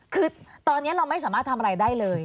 คือตอนนี้เราไม่สามารถทำอะไรได้เลย